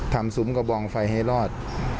ซุ้มกระบองไฟให้รอด